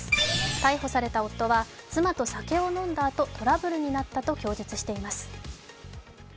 逮捕された夫は妻と酒を飲んだあとトラブルになったと供述しています。